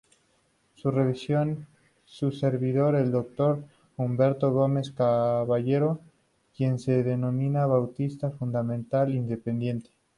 Su revisor es el Dr. Humberto Gómez Caballero, quien se denomina Bautista Fundamental Independiente.